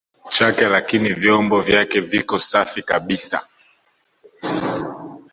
chake lakini vyombo vyake viko safi kabisa